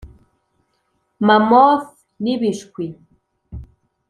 mammoth n'ibishwi